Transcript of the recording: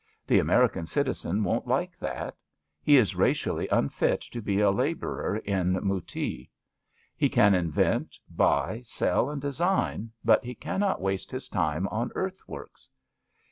The American citizen won't like that. He is racially unfit to be a labourer in muUee. He can invent, buy, sell and design, but he cannot waste his time on earth :works.